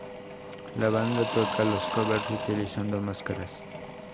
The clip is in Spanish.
La banda toca los covers utilizando máscaras.